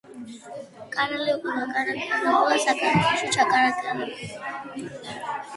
თეთრი თრითინა თეთრ თრთვილზე თრთოდა.